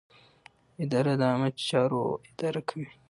اداره د عامه چارو اداره کوي.